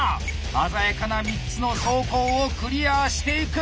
鮮やかな３つの走行をクリアしていく！